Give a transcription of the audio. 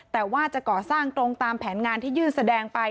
แต่ว่าจะก่อสร้างตรงตามแผนงานที่ยื่นแสดงไป